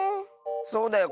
そうだよ